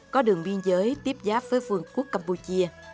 có đường biên giới tiếp giáp với vương quốc campuchia